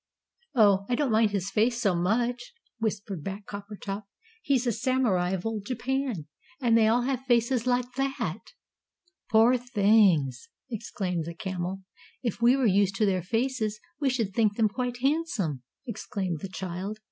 "Oh, I don't mind his face so much," whispered back Coppertop; "he's a Samurai of Old Japan, and they all have faces like that!" "Poor things!" exclaimed the Camel. "If we were used to their faces, we should think them quite handsome," exclaimed the child.